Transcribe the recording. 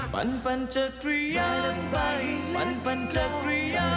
ปันปันให้เล่นต้อง